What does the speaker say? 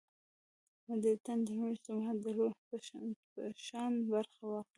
متدینان د نورو اجتماعي ډلو په شان برخه واخلي.